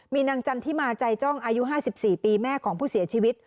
มีนางจันทิมาใจจ้องอายุ๕๔ปีแม่ของผู้เสียชีวิต